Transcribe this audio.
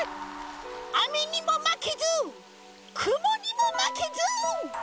あめにもまけずくもにもまけず！